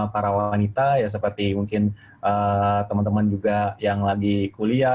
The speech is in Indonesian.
para wanita ya seperti mungkin teman teman juga yang lagi kuliah